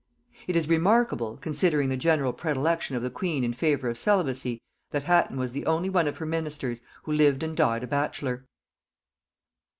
It is remarkable, considering the general predilection of the queen in favor of celibacy, that Hatton was the only one of her ministers who lived and died a bachelor.